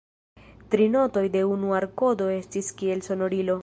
Tri notoj de unu akordo estas kiel sonoriloj.